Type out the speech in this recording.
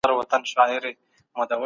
د بل په حق خيانت مه کوئ.